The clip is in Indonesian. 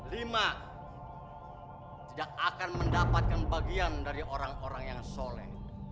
lima tidak akan mendapatkan bagian dari orang orang yang soleh